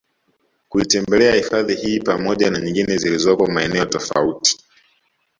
kuitembelea hifadhi hii pamoja na nyingine ziolizopo maeneo tofauti